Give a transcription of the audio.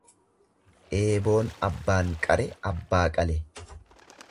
Eeboon abbaan qare abbaa qale.